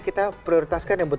kita prioritaskan yang berbeda